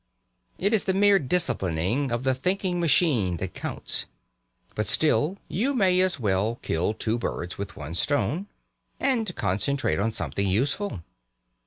It is the mere disciplining of the thinking machine that counts. But still, you may as well kill two birds with one stone, and concentrate on something useful.